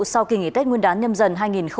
sau kỳ nghỉ tết nguyên đán nhâm dần hai nghìn hai mươi